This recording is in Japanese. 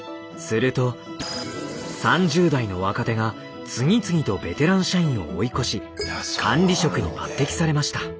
すると３０代の若手が次々とベテラン社員を追い越し管理職に抜てきされました。